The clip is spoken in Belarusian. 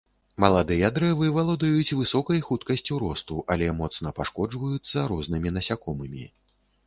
Маладыя дрэвы валодаюць высокай хуткасцю росту, але моцна пашкоджваюцца рознымі насякомымі.